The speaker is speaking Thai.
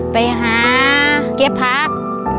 ไปหาเก็บพลักษณ์